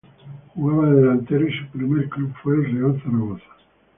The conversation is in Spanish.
Jugaba de delantero y su primer club fue el Real Zaragoza.